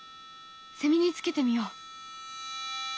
セミにつけてみよう。